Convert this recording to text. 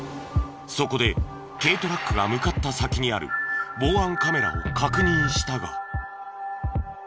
そこで軽トラックが向かった先にある防犯カメラを確認したが。